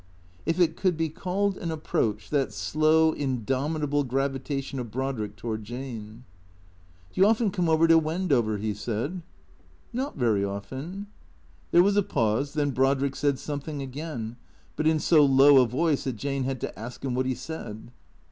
If it could be called an approach, that slow, indomitable gravitation of Brodrick toward Jane. " Do you often come over to Wendover ?" he said. " ISTot very often." There was a pause, then Brodrick said something again, but in so low a voice that Jane had to ask him what he said.